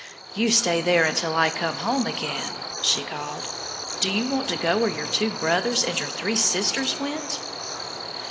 "You stay there until I come home again!" she called. "Do you want to go where your two brothers and your three sisters went?"